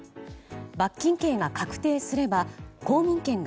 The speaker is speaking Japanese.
罰金刑が確定すれば、公民権が